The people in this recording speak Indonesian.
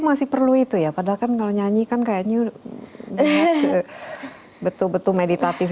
jadi masih perlukan itu ya padahal kan kalau nyanyi kan kayaknya you don't want to betul betul meditatif